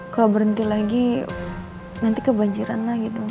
kalau berhenti lagi nanti kebanjiran lagi dong